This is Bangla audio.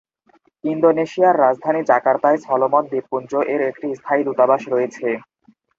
ইন্দোনেশিয়ার রাজধানী জাকার্তায় সলোমন দ্বীপপুঞ্জ এর একটি স্থায়ী দূতাবাস রয়েছে।